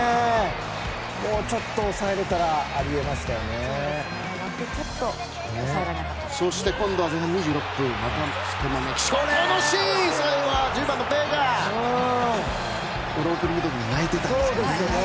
もうちょっと抑えてたらあり得ましたよね。